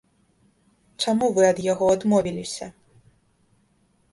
Чаму вы ад яго адмовіліся?